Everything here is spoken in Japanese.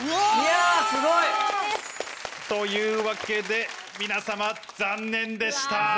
いやすごい！というわけで皆様残念でした。